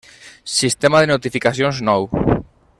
Sistema de notificacions nou.